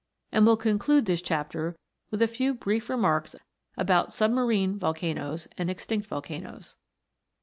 and will conclude this chapter with a few brief remarks about submarine volcanoes and extinct volcanoes.